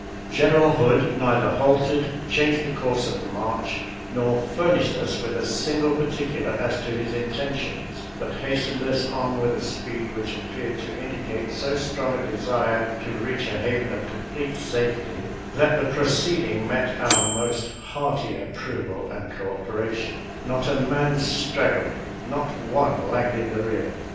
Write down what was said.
General Hood neither halted, changed the course of the march, nor furnished us with a single par ticular as to his intentions, but hastened us on with a speed which appeared to indicate so strong a desire to reach a haven of complete safety that the proceeding met our most hearty approval and co operation; not a man straggled — not one lagged in the rear.